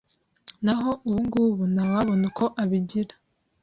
naho ubu ngubu ntawabona uko abigira